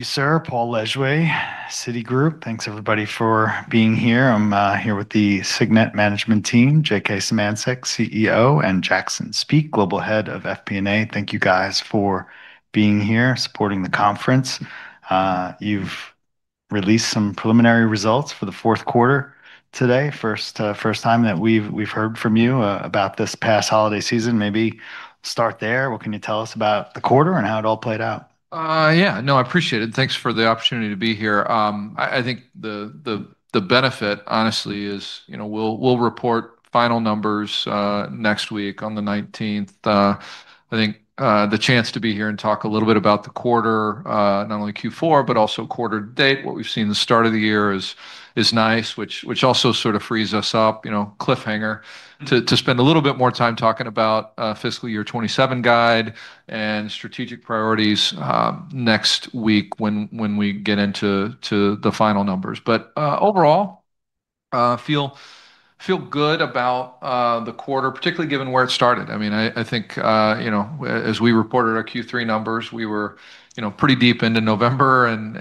Sir, Paul Lejuez, Citigroup. Thanks, everybody, for being here. I'm here with the Signet management team, J.K. Symancyk, CEO, and Jackson Speake, Global Head of FP&A. Thank you guys for being here supporting the conference. You've released some preliminary results for the fourth quarter today. First, first time that we've heard from you about this past holiday season. Maybe start there. What can you tell us about the quarter and how it all played out? Yeah. No, I appreciate it. Thanks for the opportunity to be here. I think the benefit honestly is, you know, we'll report final numbers next week on the 19th. I think the chance to be here and talk a little bit about the quarter, not only Q4 but also quarter-to-date, what we've seen the start of the year is nice which also sort of frees us up, you know, cliffhanger, to spend a little bit more time talking about fiscal year 2027 guide and strategic priorities next week when we get into the final numbers. Overall, feel good about the quarter, particularly given where it started. I mean, I think, you know, as we reported our Q3 numbers, we were, you know, pretty deep into November and,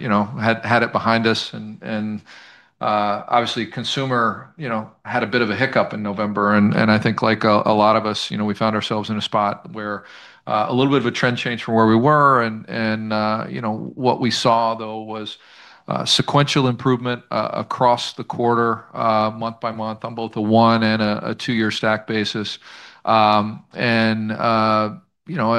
you know, had it behind us and, obviously consumer, you know, had a bit of a hiccup in November and I think like a lot of us, you know, we found ourselves in a spot where a little bit of a trend change from where we were and, you know, what we saw though was sequential improvement across the quarter, month by month on both a one and a two-year stack basis. You know,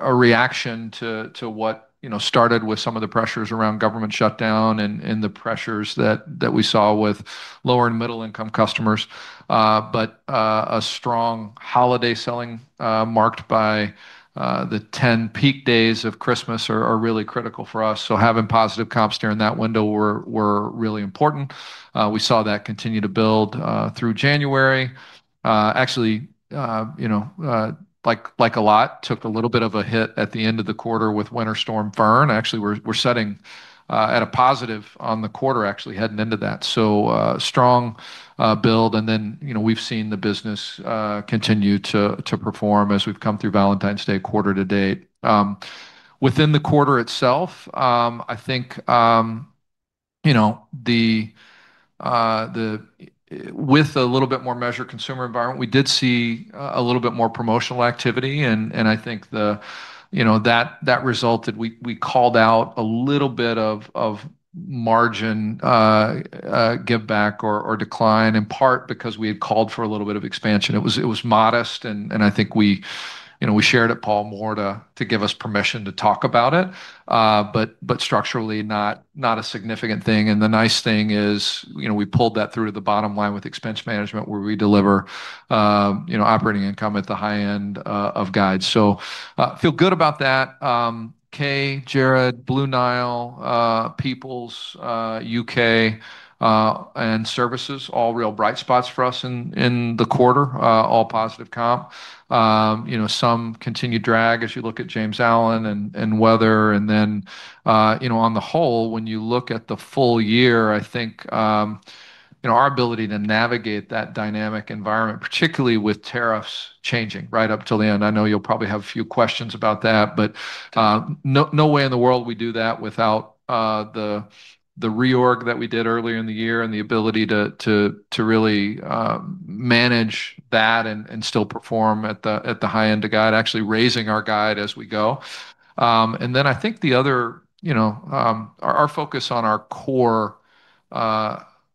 a reaction to what, you know, started with some of the pressures around government shutdown and the pressures that we saw with lower and middle income customers. A strong holiday selling, marked by the 10 peak days of Christmas are really critical for us, so having positive comps during that window were really important. We saw that continue to build through January. Actually, you know, like a lot, took a little bit of a hit at the end of the quarter with Winter Storm Heather. Actually, we're setting at a positive on the quarter actually heading into that. Strong build and then, you know, we've seen the business continue to perform as we've come through Valentine's Day quarter to date. Within the quarter itself, I think, you know, with a little bit more measured consumer environment, we did see a little bit more promotional activity and, I think, you know, that resulted, we called out a little bit of margin giveback or decline in part because we had called for a little bit of expansion. It was modest and, I think, you know, we shared it, Paul, more to give us permission to talk about it. But structurally not a significant thing. The nice thing is, you know, we pulled that through to the bottom line with expense management where we deliver, you know, operating income at the high end of guide. Feel good about that. Kay, Jared, Blue Nile, Peoples, U.K., and services, all real bright spots for us in the quarter, all positive comp. You know, some continued drag as you look at James Allen and weather. You know, on the whole, when you look at the full year, I think, you know, our ability to navigate that dynamic environment, particularly with tariffs changing right up till the end. I know you'll probably have a few questions about that, but, no way in the world we do that without the reorg that we did earlier in the year and the ability to really manage that and still perform at the high end of guide, actually raising our guide as we go. I think the other, you know, our focus on our core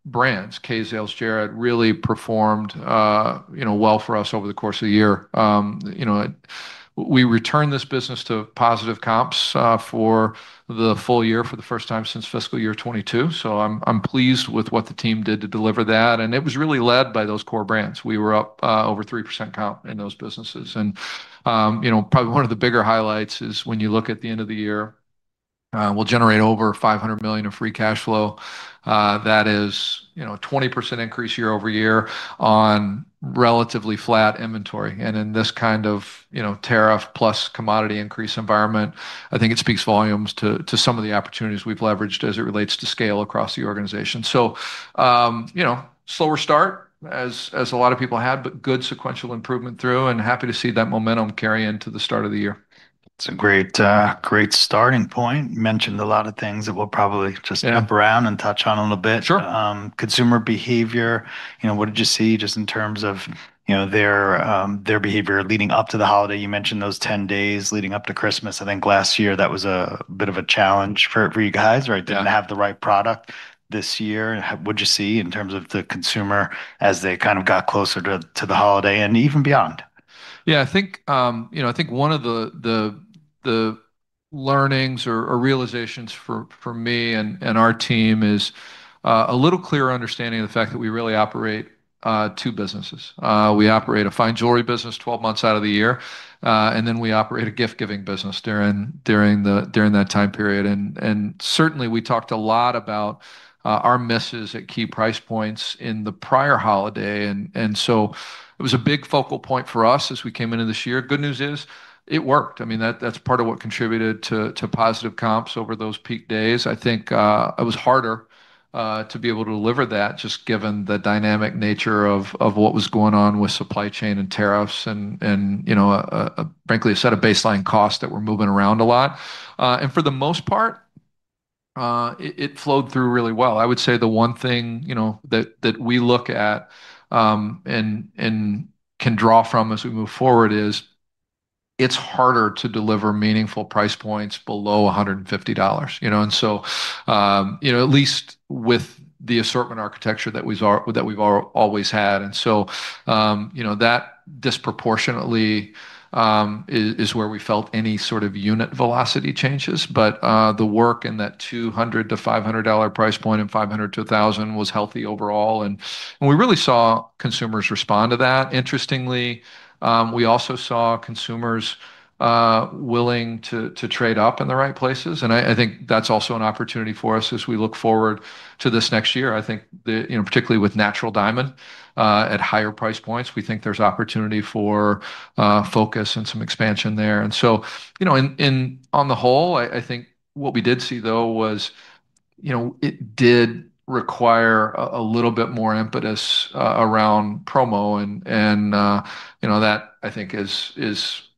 brands, Kay, Zales, Jared, really performed, you know, well for us over the course of the year. You know, we returned this business to positive comps for the full year for the first time since fiscal year 2022. I'm pleased with what the team did to deliver that, and it was really led by those core brands. We were up over 3% comp in those businesses. You know, probably one of the bigger highlights is when you look at the end of the year, we'll generate over $500 million of free cash flow. That is, you know, a 20% increase year-over-year on relatively flat inventory. In this kind of, you know, tariff plus commodity increase environment, I think it speaks volumes to some of the opportunities we've leveraged as it relates to scale across the organization. You know, slower start as a lot of people had, but good sequential improvement through and happy to see that momentum carry into the start of the year. It's a great starting point. Mentioned a lot of things that we'll probably- Yeah ...jump around and touch on a little bit. Sure. ...consumer behavior, you know, what did you see just in terms of, you know, their behavior leading up to the holiday? You mentioned those 10 days leading up to Christmas. I think last year that was a bit of a challenge for you guys, right? Yeah. Didn't have the right product this year. What'd you see in terms of the consumer as they kind of got closer to the holiday and even beyond? Yeah, I think, you know, I think one of the learnings or realizations for me and our team is a little clearer understanding of the fact that we really operate two businesses. We operate a fine jewelry business 12 months out of the year, and then we operate a gift giving business during the, during that time period. Certainly we talked a lot about our misses at key price points in the prior holiday. So it was a big focal point for us as we came into this year. Good news is it worked. I mean, that's part of what contributed to positive comps over those peak days. I think it was harder to be able to deliver that just given the dynamic nature of what was going on with supply chain and tariffs and, you know, frankly a set of baseline costs that were moving around a lot. It flowed through really well. I would say the one thing, you know, that we look at and can draw from as we move forward is it's harder to deliver meaningful price points below $150, you know? You know, at least with the assortment architecture that we've always had. You know, that disproportionately is where we felt any sort of unit velocity changes. The work in that $200-$500 price point and $500-$1,000 was healthy overall, and we really saw consumers respond to that. Interestingly, we also saw consumers willing to trade up in the right places, and I think that's also an opportunity for us as we look forward to this next year. You know, particularly with natural diamond at higher price points, we think there's opportunity for focus and some expansion there. You know, and on the whole, I think what we did see though was, you know, it did require a little bit more impetus around promo. And, you know, that I think is,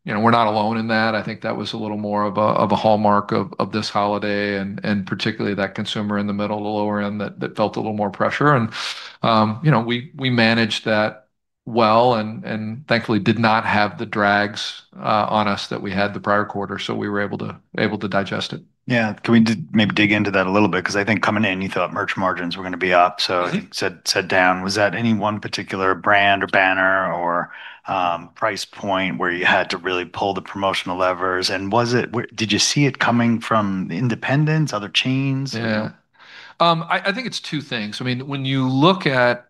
you know, we're not alone in that. I think that was a little more of a hallmark of this holiday and particularly that consumer in the middle to lower end that felt a little more pressure. You know, we managed that well and thankfully did not have the drags on us that we had the prior quarter, so we were able to digest it. Yeah. Can we maybe dig into that a little bit? 'Cause I think coming in you thought merch margins were gonna be up. Mm-hmm. You said down. Was that any one particular brand or banner or price point where you had to really pull the promotional levers? Was it did you see it coming from independents, other chains or? Yeah. I think it's two things. I mean, when you look at,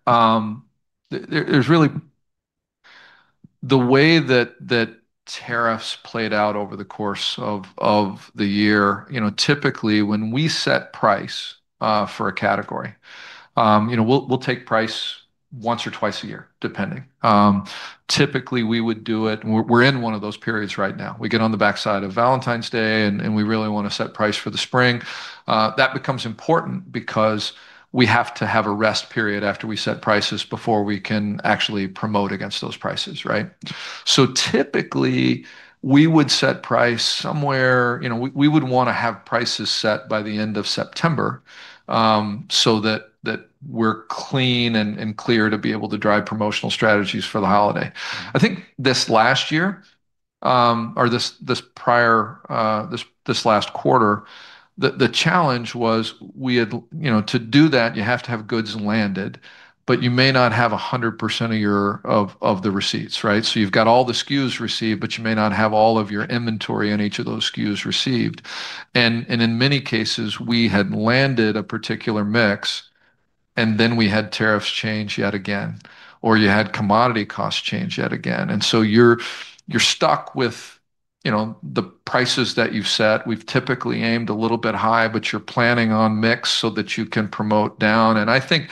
the way that tariffs played out over the course of the year, you know, typically when we set price for a category, you know, we'll take price once or twice a year, depending. Typically, we would do it. We're in one of those periods right now. We get on the backside of Valentine's Day and we really wanna set price for the spring. That becomes important because we have to have a rest period after we set prices before we can actually promote against those prices, right? Typically, we would set price somewhere, you know, we would wanna have prices set by the end of September, so that we're clean and clear to be able to drive promotional strategies for the holiday. I think this last year, or this prior, this last quarter, the challenge was You know, to do that you have to have goods landed, but you may not have 100% of your, of the receipts, right? You've got all the SKUs received, but you may not have all of your inventory in each of those SKUs received. In many cases, we had landed a particular mix, and then we had tariffs change yet again, or you had commodity costs change yet again. You're, you're stuck with, you know, the prices that you've set. We've typically aimed a little bit high, but you're planning on mix so that you can promote down. I think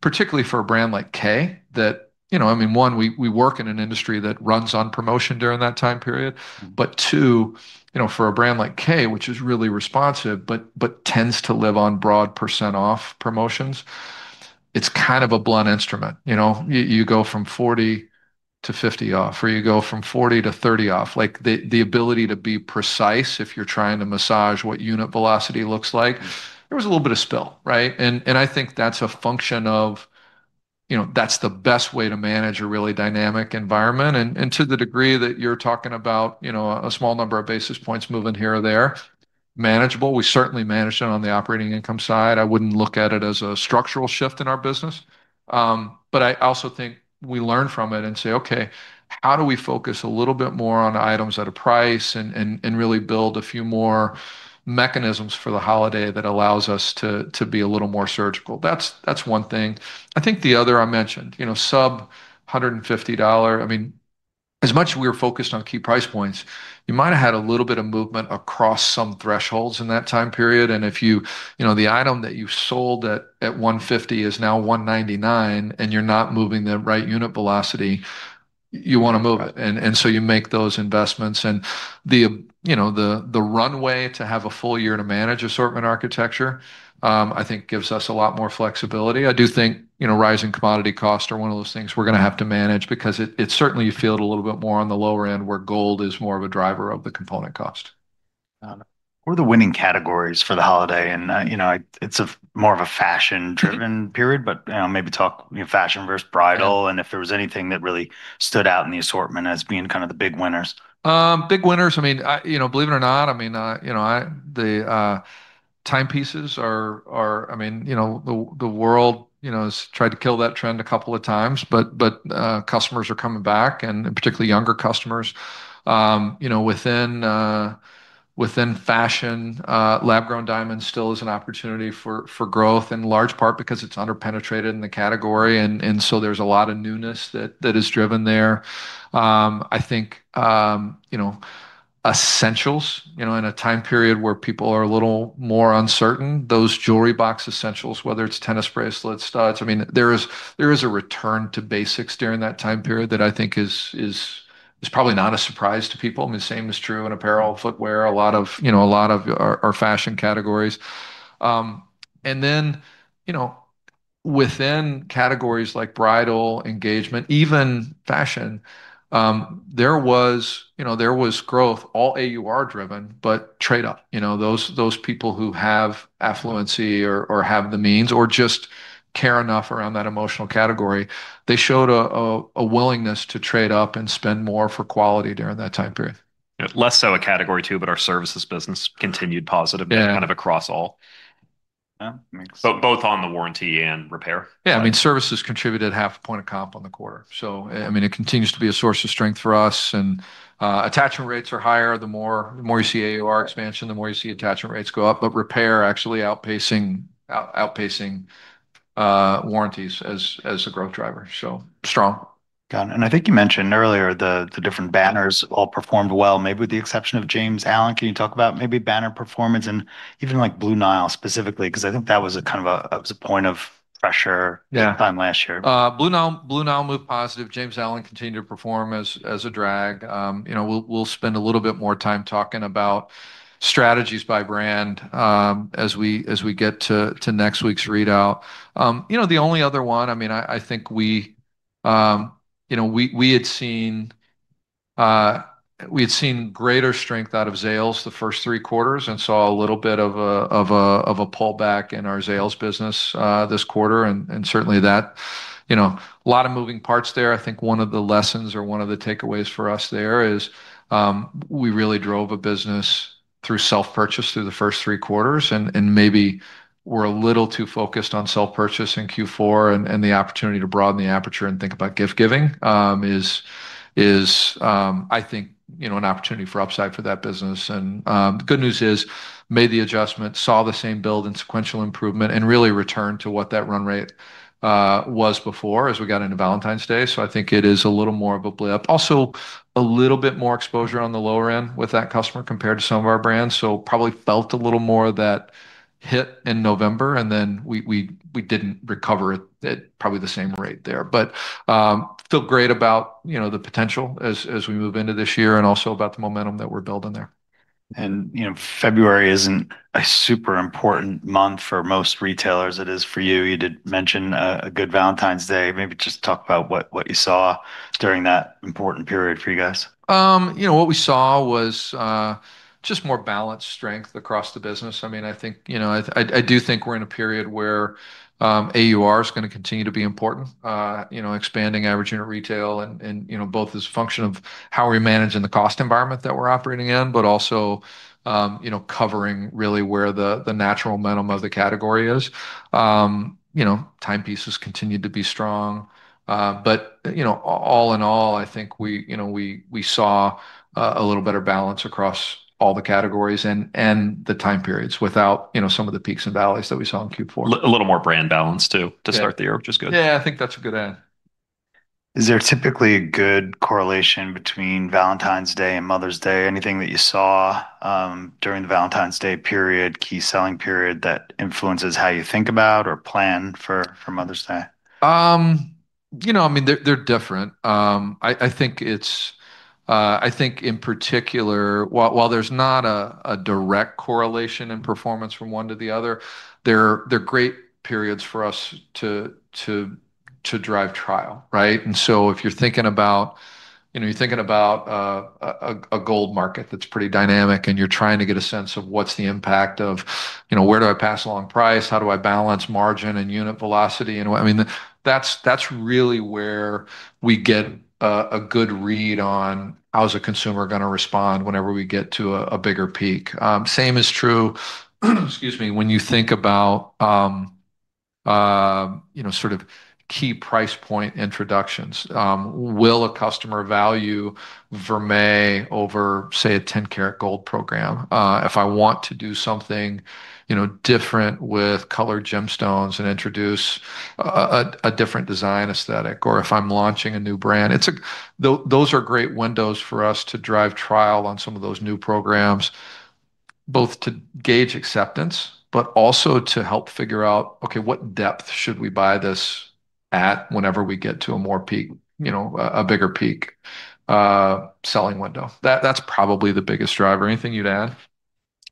particularly for a brand like Kay that, you know, I mean, one, we work in an industry that runs on promotion during that time period. Mm-hmm. Two, you know, for a brand like Kay, which is really responsive but tends to live on broad % off promotions, it's kind of a blunt instrument. You know, you go from 40% to 50% off, or you go from 40% to 30% off. Like the ability to be precise if you're trying to massage what unit velocity looks like. There was a little bit of spill, right? I think that's a function of, you know, that's the best way to manage a really dynamic environment. To the degree that you're talking about, you know, a small number of basis points moving here or there, manageable. We certainly managed it on the operating income side. I wouldn't look at it as a structural shift in our business. I also think we learn from it and say, "Okay, how do we focus a little bit more on items at a price and really build a few more mechanisms for the holiday that allows us to be a little more surgical?" That's one thing. I think the other I mentioned, you know, sub $150. I mean, as much as we are focused on key price points, you might have had a little bit of movement across some thresholds in that time period. If you know, the item that you sold at $150 is now $199 and you're not moving the right unit velocity, you wanna move it. Right. You make those investments. The, you know, the runway to have a full year to manage assortment architecture, I think gives us a lot more flexibility. I do think, you know, rising commodity costs are one of those things we're gonna have to manage because it certainly you feel it a little bit more on the lower end where gold is more of a driver of the component cost. Got it. What are the winning categories for the holiday? you know, it's a more of a fashion-driven period, but, you know, maybe talk, you know, fashion versus bridal- Yeah If there was anything that really stood out in the assortment as being kind of the big winners. ...big winners, I mean, I, you know, believe it or not, I mean, I, you know, the timepieces are... I mean, you know, the world, you know, has tried to kill that trend a couple of times, but customers are coming back and particularly younger customers. you know, within within fashion, lab-grown diamonds still is an opportunity for growth, in large part because it's under-penetrated in the category, and so there's a lot of newness that is driven there. I think, you know, essentials. You know, in a time period where people are a little more uncertain, those jewelry box essentials, whether it's tennis bracelets, studs, I mean, there is a return to basics during that time period that I think is probably not a surprise to people. I mean, the same is true in apparel, footwear, a lot of, you know, a lot of our fashion categories. Then, Within categories like bridal, engagement, even fashion, there was, you know, there was growth, all AUR driven, but trade-up. You know, those people who have affluency or have the means or just care enough around that emotional category, they showed a willingness to trade up and spend more for quality during that time period. You know, less so a category too, but our services business continued positive- Yeah ...kind of across all. Yeah. Both on the warranty and repair. Yeah, I mean, services contributed half a point of comp on the quarter, so, I mean, it continues to be a source of strength for us and attachment rates are higher. The more you see AUR expansion, the more you see attachment rates go up, but repair actually outpacing warranties as a growth driver. Strong. Got it. I think you mentioned earlier the different banners all performed well, maybe with the exception of James Allen. Can you talk about maybe banner performance and even, like, Blue Nile specifically? 'Cause I think that was a kind of a point of pressure- Yeah... at time last year. Blue Nile moved positive. James Allen continued to perform as a drag. you know, we'll spend a little bit more time talking about strategies by brand as we get to next week's readout. you know, the only other one, I mean, I think we, you know, we had seen greater strength out of Zales the first three quarters and saw a little bit of a pullback in our Zales business this quarter. certainly that, you know, a lot of moving parts there. I think one of the lessons or one of the takeaways for us there is, we really drove a business through self-purchase through the first three quarters and maybe we're a little too focused on self-purchase in Q4 and the opportunity to broaden the aperture and think about gift giving, I think, you know, an opportunity for upside for that business. Good news is made the adjustment, saw the same build and sequential improvement, and really returned to what that run rate was before as we got into Valentine's Day. I think it is a little more of a blip. Also, a little bit more exposure on the lower end with that customer compared to some of our brands, so probably felt a little more of that hit in November, and then we didn't recover it at probably the same rate there. Feel great about, you know, the potential as we move into this year and also about the momentum that we're building there. And you know, February isn't a super important month for most retailers. It is for you. You did mention a good Valentine's Day. Maybe just talk about what you saw during that important period for you guys. You know, what we saw was just more balanced strength across the business. I think, you know, I do think we're in a period where AUR is gonna continue to be important. You know, expanding average unit retail and, you know, both as a function of how we're managing the cost environment that we're operating in, but also, you know, covering really where the natural momentum of the category is. You know, timepieces continued to be strong. You know, all in all, I think we, you know, we saw a little better balance across all the categories and the time periods without, you know, some of the peaks and valleys that we saw in Q4. A little more brand balance too- Yeah ...to start the year, which is good. Yeah, I think that's a good add. Is there typically a good correlation between Valentine's Day and Mother's Day? Anything that you saw, during the Valentine's Day period, key selling period, that influences how you think about or plan for Mother's Day? You know, I mean, they're different. I think in particular, while there's not a direct correlation in performance from one to the other, they're great periods for us to drive trial, right? If you're thinking about, you know, you're thinking about a gold market that's pretty dynamic and you're trying to get a sense of what's the impact of, you know, where do I pass along price, how do I balance margin and unit velocity, I mean, that's really where we get a good read on how's a consumer gonna respond whenever we get to a bigger peak. Same is true, excuse me, when you think about, you know, sort of key price point introductions. Will a customer value vermeil over, say, a 10-karat gold program? If I want to do something, you know, different with colored gemstones and introduce a different design aesthetic or if I'm launching a new brand, those are great windows for us to drive trial on some of those new programs, both to gauge acceptance, but also to help figure out, okay, what depth should we buy this at whenever we get to a more peak, you know, a bigger peak, selling window? That's probably the biggest driver. Anything you'd add?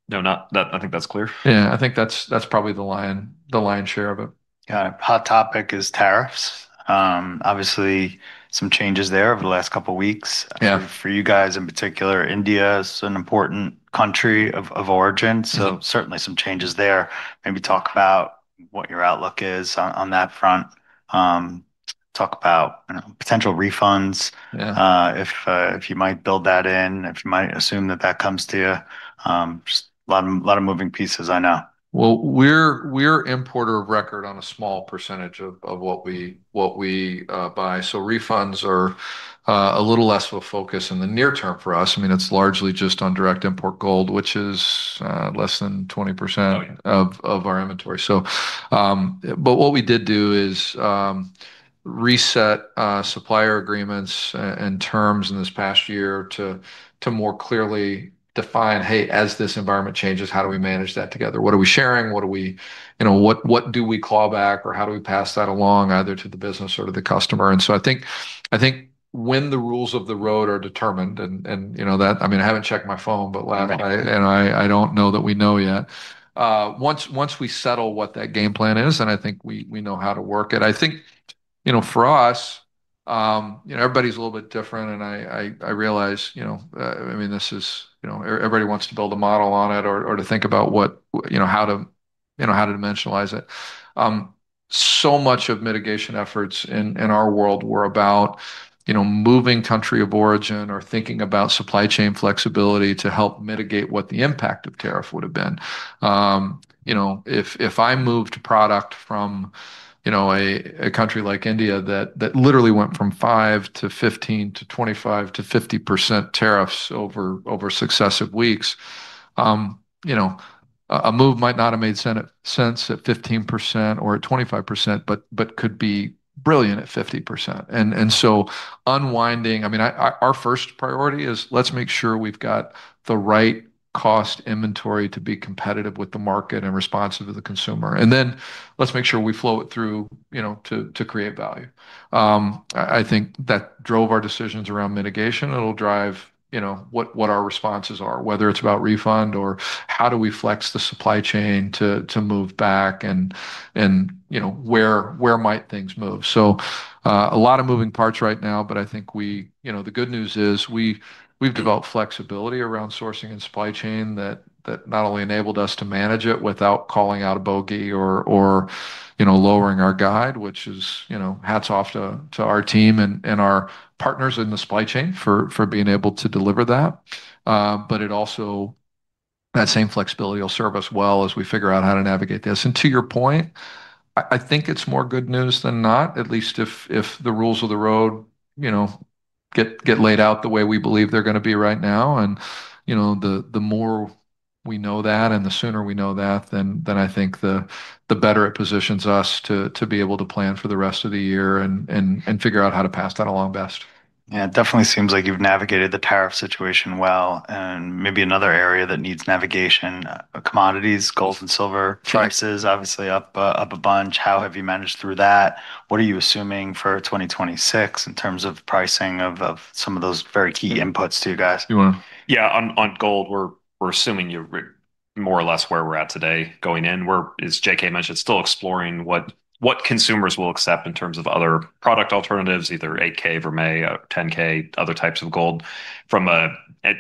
Nothing, I think that's clear. Yeah, I think that's probably the lion's share of it. Yeah. Hot topic is tariffs. Obviously some changes there over the last couple weeks. Yeah. For you guys in particular, India is an important country of origin- Mm-hmm. ...certainly some changes there. Maybe talk about what your outlook is on that front. talk about, you know, potential refunds. Yeah. If you might build that in, if you might assume that that comes to you. Just a lot of moving pieces, I know. We're importer of record on a small percentage of what we buy, so refunds are a little less of a focus in the near term for us. I mean, it's largely just on direct import gold, which is less than 20%- Oh, yeah. ...of our inventory, so. But what we did do is reset supplier agreements and terms in this past year to more clearly define, hey, as this environment changes, how do we manage that together? What are we sharing? What are we? You know, what do we claw back, or how do we pass that along, either to the business or to the customer? I think when the rules of the road are determined and you know that, I mean, I haven't checked my phone, but lab- Right I don't know that we know yet. Once we settle what that game plan is, and I think we know how to work it, I think, you know, for us. You know, everybody's a little bit different, and I realize, you know, I mean, this is, you know, everybody wants to build a model on it or to think about, you know, how to, you know, how to dimensionalize it. So much of mitigation efforts in our world were about, you know, moving country of origin or thinking about supply chain flexibility to help mitigate what the impact of tariff would've been. You know, if I moved product from a country like India that literally went from 5% to 15% to 25% to 50% tariffs over successive weeks, a move might not have made sense at 15% or at 25%, but could be brilliant at 50%. I mean, our first priority is let's make sure we've got the right cost inventory to be competitive with the market and responsive to the consumer. Then let's make sure we flow it through, you know, to create value. I think that drove our decisions around mitigation. It'll drive, you know, what our responses are, whether it's about refund or how do we flex the supply chain to move back and, you know, where might things move. A lot of moving parts right now, but I think you know, the good news is we've developed flexibility around sourcing and supply chain that not only enabled us to manage it without calling out a bogey or, you know, lowering our guide, which is, you know, hats off to our team and our partners in the supply chain for being able to deliver that. That same flexibility will serve us well as we figure out how to navigate this. To your point, I think it's more good news than not, at least if the rules of the road, you know, get laid out the way we believe they're gonna be right now. You know, the more we know that and the sooner we know that, then I think the better it positions us to be able to plan for the rest of the year and figure out how to pass that along best. Yeah, it definitely seems like you've navigated the tariff situation well, and maybe another area that needs navigation, commodities, gold and silver prices- Sure... obviously up a bunch. How have you managed through that? What are you assuming for 2026 in terms of pricing of some of those very key inputs to you guys? You want... On, on gold we're assuming you're more or less where we're at today going in. We're, as J.K. mentioned, still exploring what consumers will accept in terms of other product alternatives, either 18K vermeil or 10K, other types of gold. You know,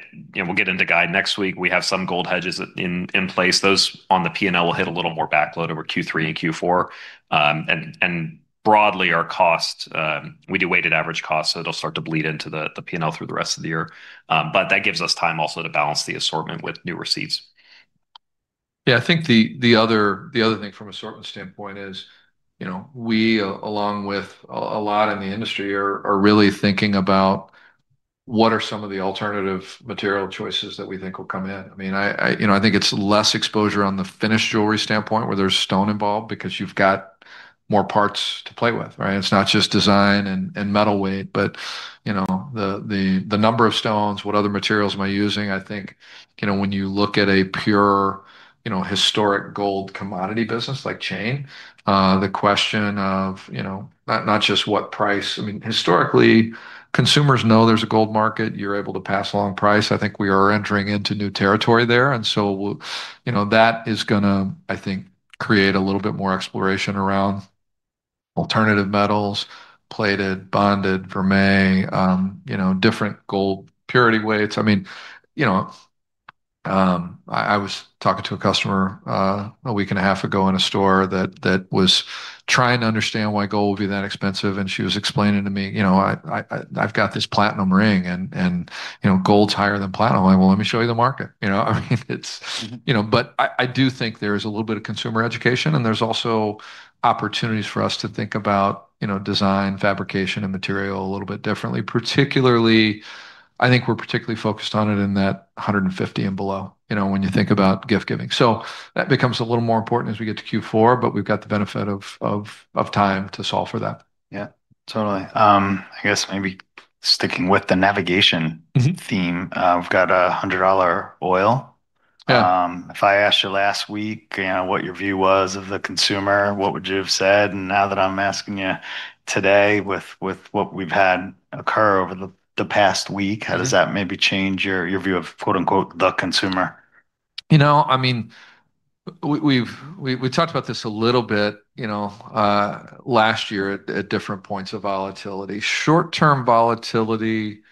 we'll get into guide next week. We have some gold hedges in place. Those on the P&L will hit a little more backloaded over Q3 and Q4. Broadly our cost, we do weighted average cost, so it'll start to bleed into the P&L through the rest of the year. That gives us time also to balance the assortment with new receipts. Yeah, I think the other, the other thing from assortment standpoint is, you know, we along with a lot in the industry are really thinking about what are some of the alternative material choices that we think will come in. I mean, you know, I think it's less exposure on the finished jewelry standpoint where there's stone involved because you've got more parts to play with, right? It's not just design and metal weight, but, you know, the number of stones, what other materials am I using? I think, you know, when you look at a pure, you know, historic gold commodity business like chain, the question of, you know, not just what price... I mean, historically, consumers know there's a gold market. You're able to pass along price. I think we are entering into new territory there. You know, that is gonna, I think, create a little bit more exploration around alternative metals, plated, bonded, vermeil, you know, different gold purity weights. You know, I was talking to a customer, a week and a half ago in a store that was trying to understand why gold would be that expensive, and she was explaining to me, "You know, I've got this platinum ring and, you know, gold's higher than platinum." I'm like, "Well, let me show you the market." You know? I mean, it's. You know? I do think there is a little bit of consumer education, and there's also opportunities for us to think about, you know, design, fabrication, and material a little bit differently. Particularly, I think we're particularly focused on it in that 150 and below, you know, when you think about gift giving. That becomes a little more important as we get to Q4, but we've got the benefit of time to solve for that. Yeah, totally. I guess maybe sticking with the navigation- Mm-hmm... theme, we've got a $100 oil. Yeah. If I asked you last week, you know, what your view was of the consumer, what would you have said? Now that I'm asking you today with what we've had occur over the past week... Mm-hmm... how does that maybe change your view of, quote-unquote, "the consumer"? You know, I mean, we talked about this a little bit, you know, last year at different points of volatility. Short-term volatility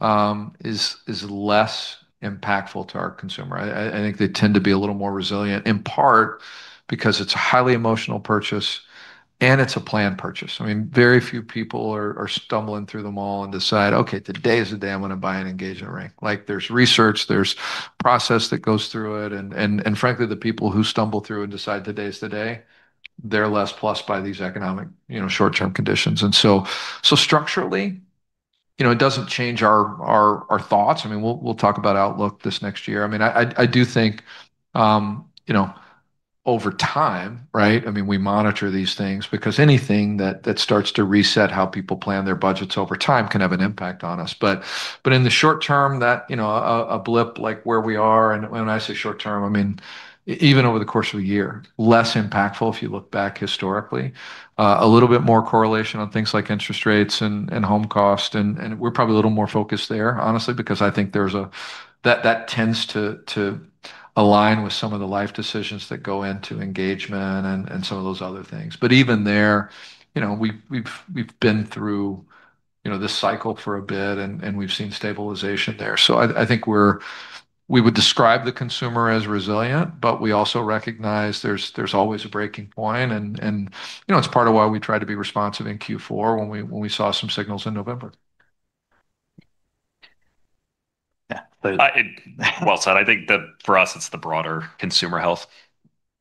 is less impactful to our consumer. I think they tend to be a little more resilient, in part because it's a highly emotional purchase and it's a planned purchase. I mean, very few people are stumbling through the mall and decide, "Okay, today is the day I'm gonna buy an engagement ring." Like, there's research, there's process that goes through it, and frankly, the people who stumble through and decide today's the day, they're less plussed by these economic, you know, short-term conditions. So structurally, you know, it doesn't change our thoughts. I mean, we'll talk about outlook this next year. I mean, I do think, you know, over time, right, I mean, we monitor these things because anything that starts to reset how people plan their budgets over time can have an impact on us. In the short term that, you know, a blip like where we are, and when I say short term, I mean even over the course of a year, less impactful if you look back historically. A little bit more correlation on things like interest rates and home cost and we're probably a little more focused there, honestly, because I think there's that tends to align with some of the life decisions that go into engagement and some of those other things. Even there, you know, we've been through, you know, this cycle for a bit, and we've seen stabilization there. I think we would describe the consumer as resilient, but we also recognize there's always a breaking point, and, you know, it's part of why we try to be responsive in Q4 when we saw some signals in November. Yeah. Well said. I think that for us it's the broader consumer health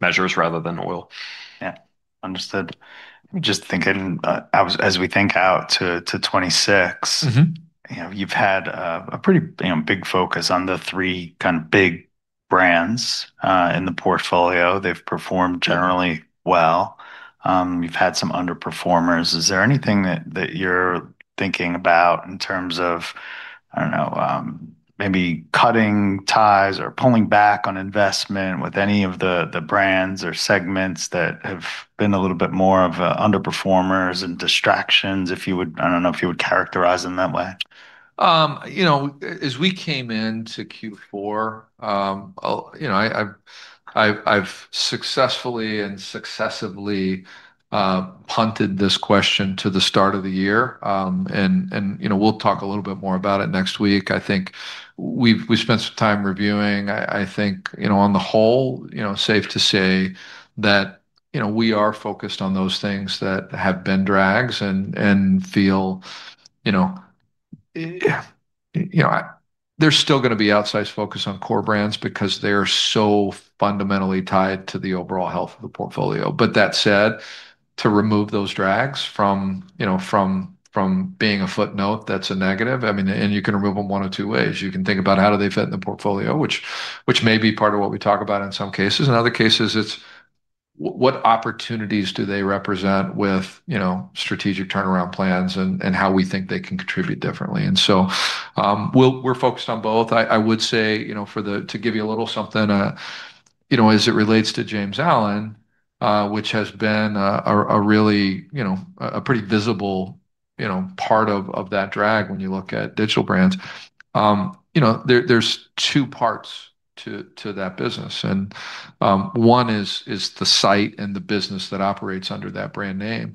measures rather than oil. Yeah. Understood. Just thinking, as we think out to 2026- Mm-hmm... you know, you've had a pretty, you know, big focus on the three kind of big brands in the portfolio. They've performed generally well. You've had some underperformers. Is there anything that you're thinking about in terms of, I don't know, maybe cutting ties or pulling back on investment with any of the brands or segments that have been a little bit more of a underperformers and distractions, I don't know if you would characterize them that way? You know, as we came into Q4, you know, I've successfully and successively punted this question to the start of the year. You know, we'll talk a little bit more about it next week. I think we've spent some time reviewing. I think, you know, on the whole, you know, safe to say that, you know, we are focused on those things that have been drags and feel, you know... You know, there's still gonna be outsized focus on core brands because they are so fundamentally tied to the overall health of the portfolio. That said, to remove those drags from, you know, from being a footnote, that's a negative. I mean, you can remove them one of two ways. You can think about how do they fit in the portfolio, which may be part of what we talk about in some cases. In other cases, it's what opportunities do they represent with, you know, strategic turnaround plans and how we think they can contribute differently. We're focused on both. I would say, you know, to give you a little something, you know, as it relates to James Allen, which has been a really, you know, a pretty visible, you know, part of that drag when you look at digital brands. You know, there's two parts to that business, and one is the site and the business that operates under that brand name.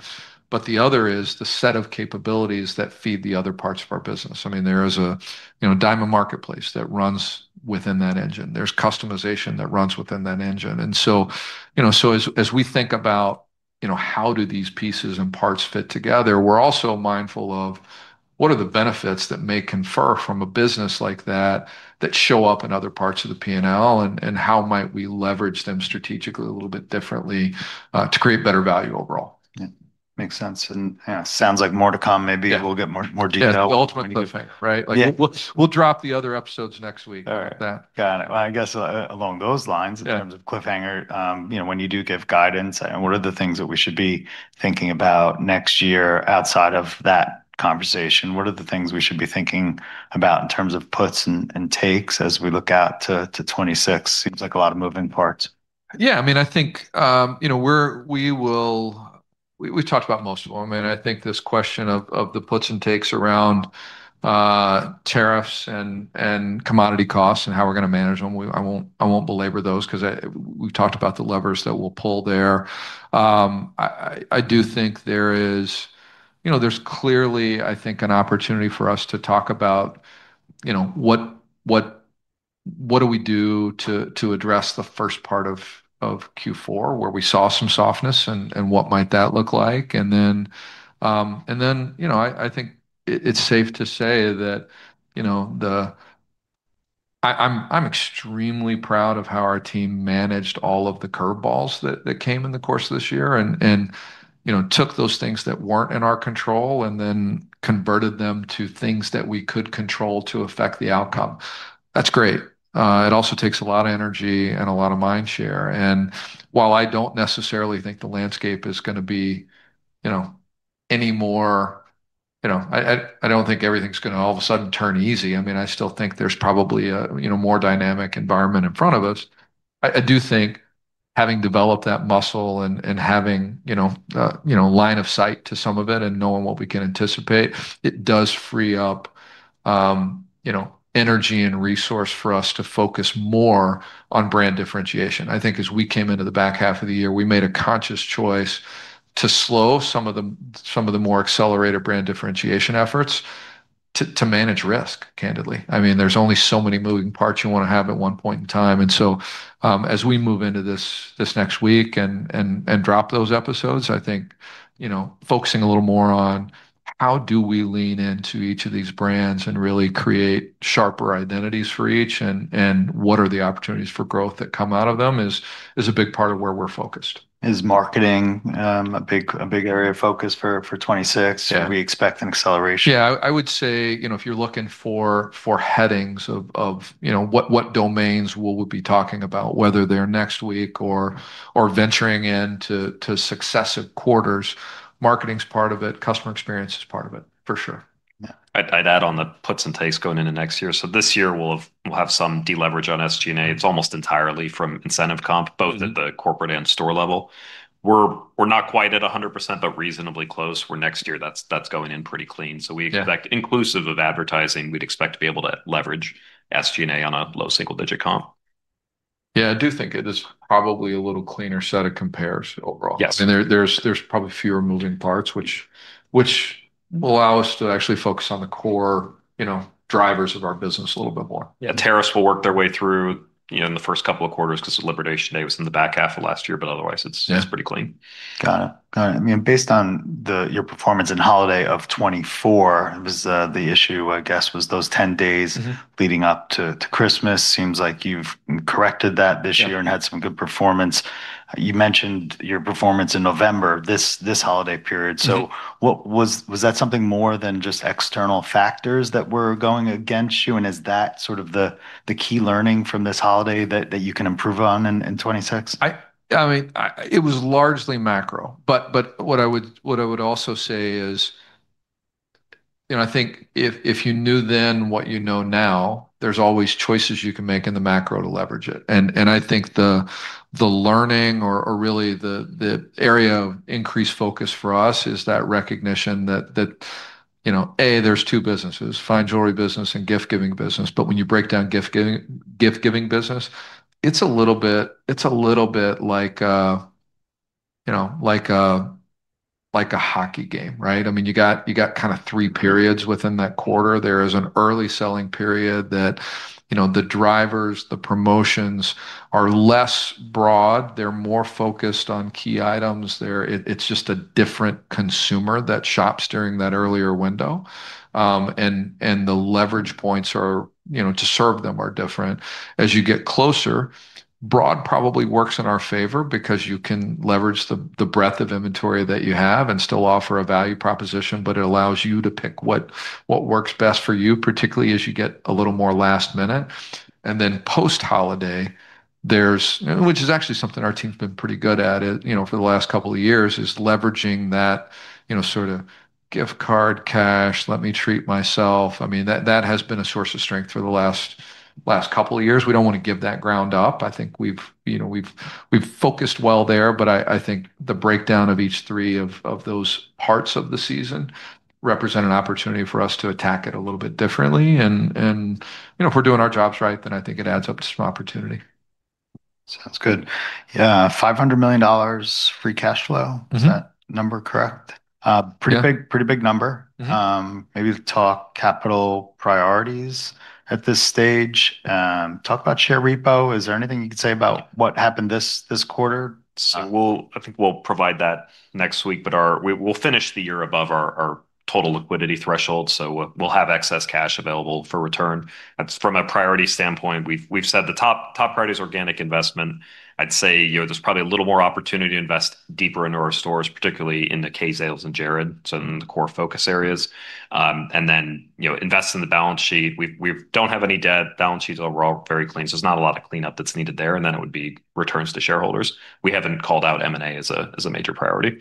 The other is the set of capabilities that feed the other parts of our business. I mean, there is a, you know, diamond marketplace that runs within that engine. There's customization that runs within that engine. You know, as we think about, you know, how do these pieces and parts fit together, we're also mindful of what are the benefits that may confer from a business like that show up in other parts of the P&L, and how might we leverage them strategically a little bit differently to create better value overall. Yeah. Makes sense, and yeah, sounds like more to come. Maybe we'll get more detail. Yeah. The ultimate cliffhanger, right? Yeah. Like we'll drop the other episodes next week. All right. That. Got it. Well, I guess, along those lines. Yeah... in terms of cliffhanger, you know, when you do give guidance, what are the things that we should be thinking about next year outside of that conversation? What are the things we should be thinking about in terms of puts and takes as we look out to 2026? Seems like a lot of moving parts. Yeah. I mean, I think, you know, we've talked about most of them, and I think this question of the puts and takes around tariffs and commodity costs and how we're gonna manage them, I won't belabor those 'cause we've talked about the levers that we'll pull there. I do think there is... You know, there's clearly, I think, an opportunity for us to talk about, you know, what do we do to address the first part of Q4 where we saw some softness and what might that look like. Then, you know, I think it's safe to say that, you know, the... I'm extremely proud of how our team managed all of the curveballs that came in the course of this year and, you know, took those things that weren't in our control and then converted them to things that we could control to affect the outcome. That's great. It also takes a lot of energy and a lot of mind share. While I don't necessarily think the landscape is gonna be, you know, any more, I don't think everything's gonna all of a sudden turn easy. I mean, I still think there's probably a, you know, more dynamic environment in front of us. I do think having developed that muscle and having, you know, you know, line of sight to some of it and knowing what we can anticipate, it does free up, you know, energy and resource for us to focus more on brand differentiation. I think as we came into the back half of the year, we made a conscious choice to slow some of the more accelerated brand differentiation efforts to manage risk, candidly. I mean, there's only so many moving parts you wanna have at one point in time. As we move into this next week and drop those episodes, I think, you know, focusing a little more on how do we lean into each of these brands and really create sharper identities for each and what are the opportunities for growth that come out of them is a big part of where we're focused. Is marketing, a big area of focus for 2026? Yeah. Should we expect an acceleration? Yeah. I would say, you know, if you're looking for headings of, you know, what domains we'll be talking about, whether they're next week or venturing into successive quarters, marketing's part of it, customer experience is part of it, for sure. Yeah. I'd add on the puts and takes going into next year. This year we'll have some deleverage on SG&A. It's almost entirely from incentive comp, both at the corporate and store level. We're not quite at 100%, but reasonably close. For next year that's going in pretty clean. Yeah. We expect, inclusive of advertising, we'd expect to be able to leverage SG&A on a low single-digit comp. Yeah, I do think it is probably a little cleaner set of compares overall. Yes. I mean, there's probably fewer moving parts, which will allow us to actually focus on the core, you know, drivers of our business a little bit more. Yeah. Tariffs will work their way through, you know, in the first couple of quarters, 'cause Liberation Day was in the back half of last year. Otherwise,- Yeah ...it's pretty clean. Got it. Got it. I mean, based on your performance in holiday of 2024, was the issue, I guess, was those 10 days- Mm-hmm... leading up to Christmas. Seems like you've corrected that this year. Yeah Had some good performance. You mentioned your performance in November this holiday period. Mm-hmm. Was that something more than just external factors that were going against you, and is that sort of the key learning from this holiday that you can improve on in 2026? I mean, it was largely macro, but what I would also say is, you know, I think if you knew then what you know now, there's always choices you can make in the macro to leverage it. I think the learning or really the area of increased focus for us is that recognition that, you know, A, there's two businesses, fine jewelry business and gift giving business. When you break down gift giving business, it's a little bit like, you know, like a hockey game, right? I mean, you got kinda three periods within that quarter. There is an early selling period that, you know, the drivers, the promotions are less broad. They're more focused on key items. It's just a different consumer that shops during that earlier window. And the leverage points are, you know, to serve them are different. As you get closer, broad probably works in our favor because you can leverage the breadth of inventory that you have and still offer a value proposition, but it allows you to pick what works best for you, particularly as you get a little more last minute. Post-holiday, there's... Which is actually something our team's been pretty good at it, you know, for the last couple of years, is leveraging that, you know, sorta gift card, cash, let me treat myself. I mean, that has been a source of strength for the last couple of years. We don't wanna give that ground up. I think we've, you know, we've focused well there, but I think the breakdown of each three of those parts of the season represent an opportunity for us to attack it a little bit differently. You know, if we're doing our jobs right, then I think it adds up to some opportunity. Sounds good. Yeah. $500 million free cash flow. Mm-hmm. Is that number correct? Yeah... pretty big, pretty big number. Mm-hmm. Maybe talk capital priorities at this stage. Talk about share repo. Is there anything you can say about what happened this quarter? I think we'll provide that next week, we'll finish the year above our total liquidity threshold, we'll have excess cash available for return. From a priority standpoint, we've said the top priority is organic investment. I'd say, you know, there's probably a little more opportunity to invest deeper into our stores, particularly in the Kay's, Zales, and Jared, so in the core focus areas, you know, invest in the balance sheet. We've don't have any debt. Balance sheets are all very clean, there's not a lot of cleanup that's needed there, it would be returns to shareholders. We haven't called out M&A as a major priority.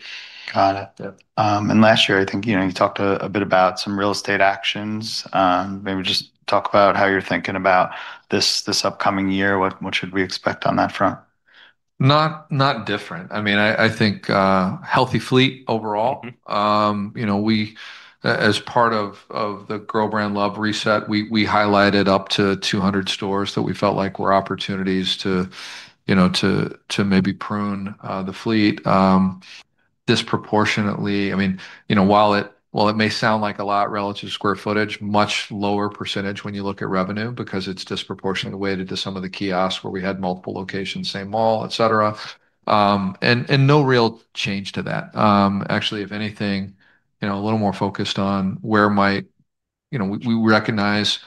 Got it. Yeah. Last year, I think, you know, you talked a bit about some real estate actions. Maybe just talk about how you're thinking about this upcoming year. What should we expect on that front? Not different. I mean, I think healthy fleet overall. Mm-hmm. You know, as part of the Grow Brand Love reset, we highlighted up to 200 stores that we felt like were opportunities to, you know, to maybe prune the fleet disproportionately. I mean, you know, while it may sound like a lot relative square footage, much lower % when you look at revenue because it's disproportionately weighted to some of the kiosks where we had multiple locations, same mall, et cetera. No real change to that. Actually, if anything, you know, a little more focused on where. You know, we recognize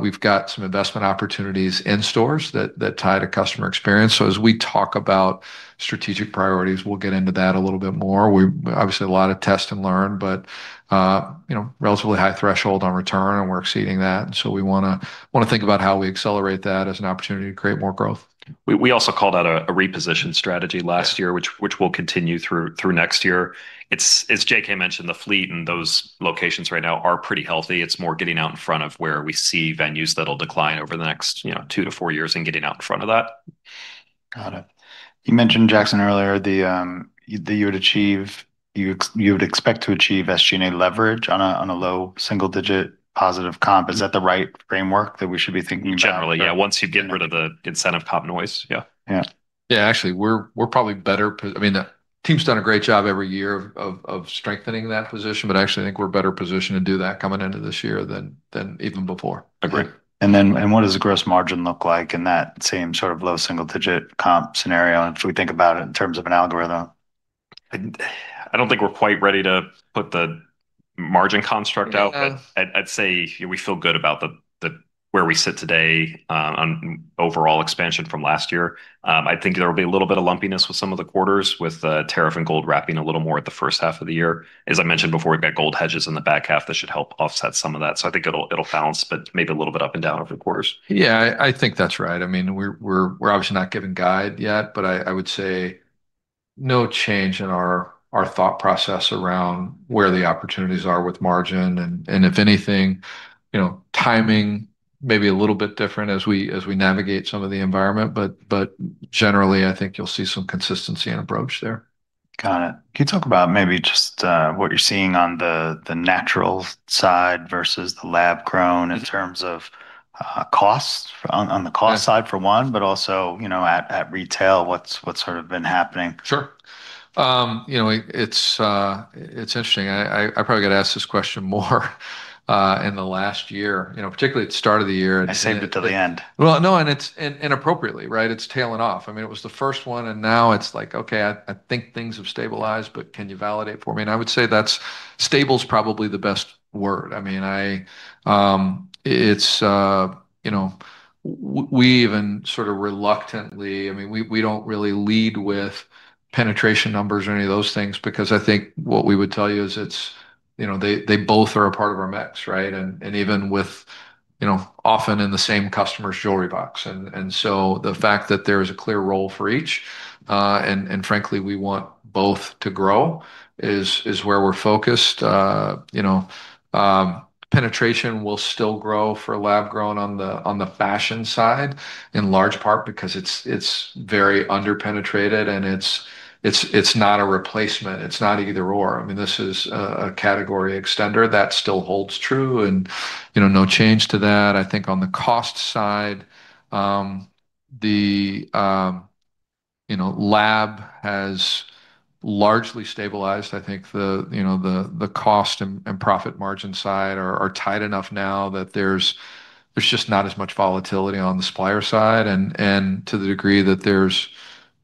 we've got some investment opportunities in stores that tie to customer experience. As we talk about strategic priorities, we'll get into that a little bit more. Obviously a lot of test and learn, but, you know, relatively high threshold on return, and we're exceeding that, and so we wanna think about how we accelerate that as an opportunity to create more growth. We also called out a reposition strategy last year- Yeah... which we'll continue through next year. It's, as J.K. mentioned, the fleet and those locations right now are pretty healthy. It's more getting out in front of where we see venues that'll decline over the next, you know, two to four years and getting out in front of that. Got it. You mentioned, Jackson, earlier you would expect to achieve SG&A leverage on a low single-digit positive comp. Mm-hmm. Is that the right framework that we should be thinking about? Generally, yeah. Once you've gotten rid of the incentive comp noise, yeah. Yeah. Yeah. Actually, we're probably better I mean, the team's done a great job every year of strengthening that position, but actually I think we're better positioned to do that coming into this year than even before. Agreed. What does the gross margin look like in that same sort of low single digit comp scenario if we think about it in terms of an algorithm? I don't think we're quite ready to put the margin construct out. Okay. I'd say we feel good about the where we sit today, on overall expansion from last year. I think there will be a little bit of lumpiness with some of the quarters with tariff and gold wrapping a little more at the first half of the year. As I mentioned before, we've got gold hedges in the back half that should help offset some of that. I think it'll balance, but maybe a little bit up and down over the quarters. Yeah, I think that's right. I mean, we're obviously not giving guide yet. I would say no change in our thought process around where the opportunities are with margin. If anything, you know, timing may be a little bit different as we navigate some of the environment. Generally, I think you'll see some consistency in approach there. Got it. Can you talk about maybe just, what you're seeing on the natural side versus the lab-grown in terms of costs on the cost side for one, but also, you know, at retail, what's sort of been happening? Sure. you know, it's interesting. I probably got asked this question more, in the last year, you know, particularly at the start of the year... I saved it till the end. Well, no, it's inappropriately, right? It's tailing off. I mean, it was the first one, and now it's like, okay, I think things have stabilized, but can you validate for me? I would say that's stable is probably the best word. I mean, it's, you know, we even sort of reluctantly... I mean, we don't really lead with penetration numbers or any of those things because I think what we would tell you is it's, you know, they both are a part of our mix, right? Even with, you know, often in the same customer's jewelry box. So the fact that there is a clear role for each, and frankly, we want both to grow is where we're focused. You know, penetration will still grow for lab-grown on the fashion side, in large part because it's very under-penetrated and it's not a replacement. It's not either/or. I mean, this is a category extender that still holds true and, you know, no change to that. I think on the cost side, the, you know, lab has largely stabilized. I think the, you know, the cost and profit margin side are tight enough now that there's just not as much volatility on the supplier side and to the degree that there's,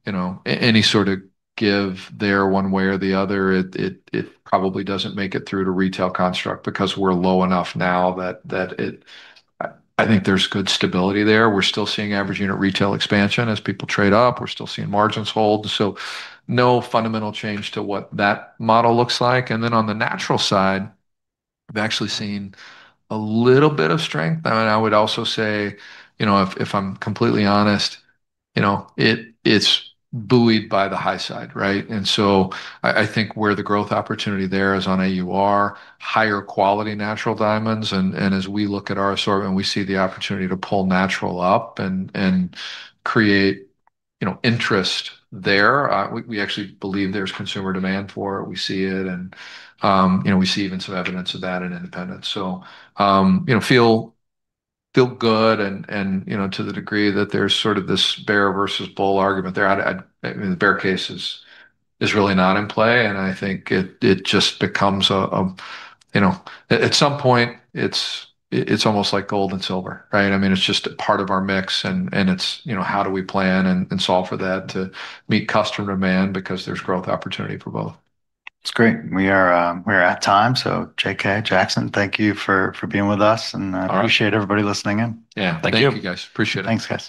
you know, any sort of give there one way or the other, it probably doesn't make it through to retail construct because we're low enough now that I think there's good stability there. We're still seeing average unit retail expansion as people trade up. We're still seeing margins hold. No fundamental change to what that model looks like. On the natural side, we've actually seen a little bit of strength. I mean, I would also say, you know, if I'm completely honest, you know, it's buoyed by the high side, right? I think where the growth opportunity there is on AUR, higher quality natural diamonds, and as we look at our assortment, we see the opportunity to pull natural up and create, you know, interest there. We actually believe there's consumer demand for it. We see it and, you know, we see even some evidence of that in independent. You know, feel good and, you know, to the degree that there's sort of this bear versus bull argument there, I mean, the bear case is really not in play. I think it just becomes, you know, at some point it's almost like gold and silver, right? I mean, it's just a part of our mix and it's, you know, how do we plan and solve for that to meet customer demand because there's growth opportunity for both. It's great. We are at time. J.K. Jackson, thank you for being with us. All right. I appreciate everybody listening in. Yeah. Thank you. Thank you, guys. Appreciate it. Thanks, guys.